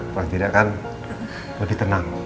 paling tidak kan lebih tenang